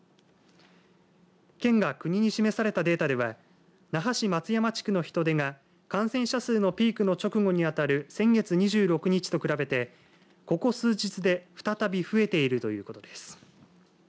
県が国に示されたデータでは那覇市松山地区の人出が感染者数のピークの直後にあたる先月２６日と比べてここ数日で再び増えているということです。